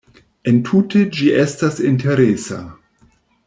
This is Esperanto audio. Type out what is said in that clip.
Entute ĝi estas interesa.